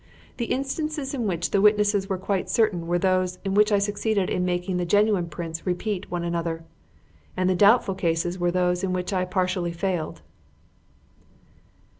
The instances in which the witnesses were quite certain were those in which I succeeded in making the genuine prints repeat one another, and the doubtful cases were those in which I partially failed."